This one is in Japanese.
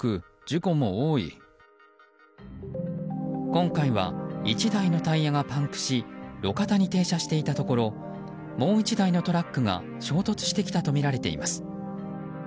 今回は１台のタイヤがパンクし路肩に停車していたところもう１台のトラックが衝突してきたとみられています。